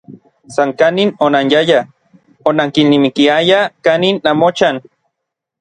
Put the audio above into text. San kanin onanyayaj, onankilnamikiayaj kanin namochan.